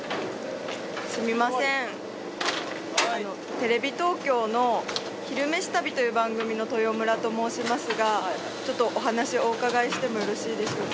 テレビ東京の「昼めし旅」という番組の豊村と申しますがちょっとお話お伺いしてもよろしいでしょうか？